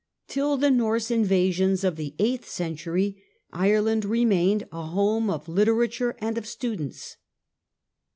Till the Norse invasions of the eighth century Ireland remained a home of literature and of students.